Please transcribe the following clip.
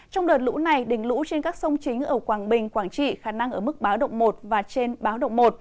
trong đợt lũ này đỉnh lũ trên các sông chính ở quảng bình quảng trị khả năng ở mức báo động một và trên báo động một